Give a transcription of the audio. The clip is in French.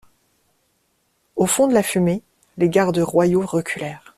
Au fond de la fumée, les gardes royaux reculèrent.